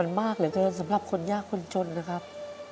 มากเหลือเกินสำหรับคนยากคนจนนะครับ